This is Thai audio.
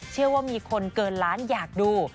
เชื่อว่ามีคนเกินล้านอยากดู